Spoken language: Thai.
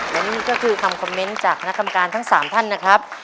และนี่ก็คือคำคอมเมนต์จากคณะกรรมการทั้ง๓ท่านนะครับ